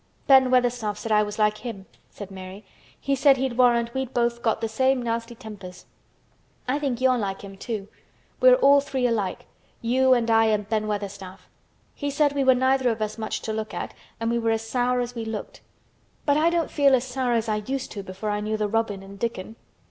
"Ben Weatherstaff said I was like him," said Mary. "He said he'd warrant we'd both got the same nasty tempers. I think you are like him too. We are all three alike—you and I and Ben Weatherstaff. He said we were neither of us much to look at and we were as sour as we looked. But I don't feel as sour as I used to before I knew the robin and Dickon."